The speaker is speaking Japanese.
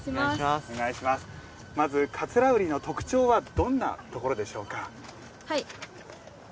まず桂うりの特長はどんなところでしょうか。